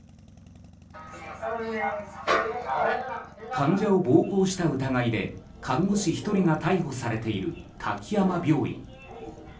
患者を暴行した疑いで看護師１人が逮捕されている滝山病院。